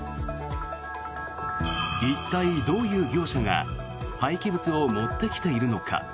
一体、どういう業者が廃棄物を持ってきているのか。